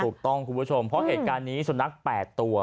คุณผู้ชมเพราะเหตุการณ์นี้สุนัข๘ตัว